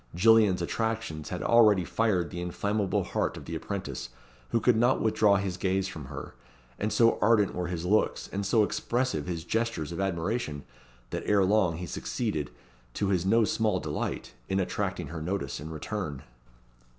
Gillian's attractions had already fired the inflammable heart of the apprentice, who could not withdraw his gaze from her; and so ardent were his looks, and so expressive his gestures of admiration, that ere long he succeeded, to his no small delight, in attracting her notice in return.